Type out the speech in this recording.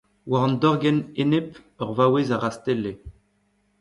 War an dorgenn enep, ur vaouez a rastelle